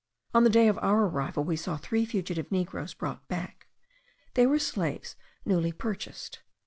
On the day of our arrival we saw three fugitive negroes brought back; they were slaves newly purchased.